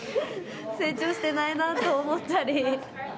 成長してないなと思ったり。